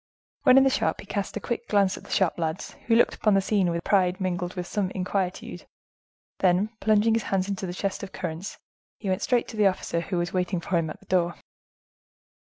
When in the shop, he cast a quick glance at the shop lads, who looked upon the scene with a pride mingled with some inquietude; then plunging his hands into a chest of currants, he went straight to the officer who was waiting for him at the door.